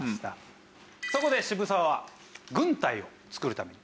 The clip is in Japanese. そこで渋沢は軍隊を作るために。